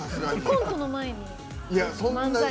コントの前に、漫才の前に。